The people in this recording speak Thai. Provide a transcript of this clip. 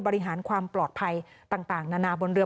บริหารความปลอดภัยต่างนานาบนเรือ